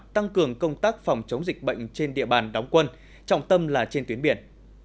tăng cường công tác phòng chống dịch bệnh trên địa bàn đóng quân trọng tâm là trên tuyến biển